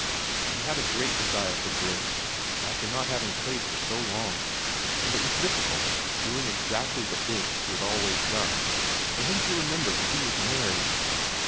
He had a great desire for bridge after not having played for so long, and it was difficult, doing exactly the things he had always done, for him to remember that he was married.